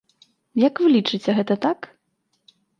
Як вы лічыце, гэта так?